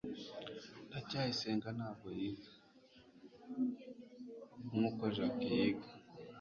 ndacyayisenga ntabwo yiga cy nkuko jaki yiga